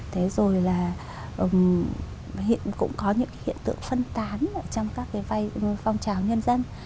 thế rồi là hiện cũng có những cái hiện tượng phân tán trong các cái vai phong trào nhân dân